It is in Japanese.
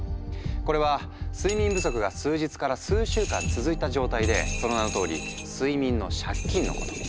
これは睡眠不足が数日から数週間続いた状態でその名のとおり「睡眠の借金」のこと。